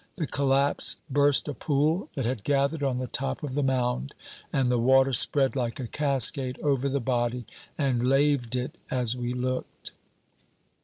The collapse burst a pool that had gathered on the top of the mound, and the water spread like a cascade over the body and laved it as we looked.